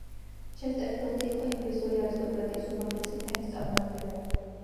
ჩესტერფილდი იყო ინგლისური არისტოკრატიის უმაღლესი ფენის წარმომადგენელი.